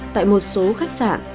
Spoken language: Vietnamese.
tại một số khách sạn